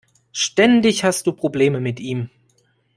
Ständig hast du Probleme mit ihm.